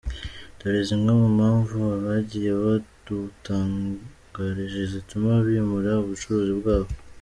Dore zimwe mu mpamvu abagiye badutangarije zituma bimura ubucuruzi bwabo.